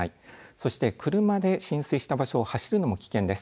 そして車で浸水した場所を走るのも危険です。